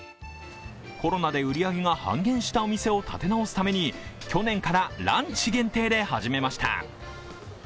コロナで売り上げが半減したお店を立て直すために、去年からランチ限定で始めました。